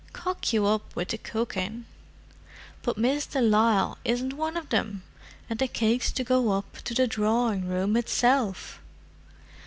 'Cock you up with the cooking!' But Miss de Lisle isn't one of them—and the cakes to go up to the drawing room itself!"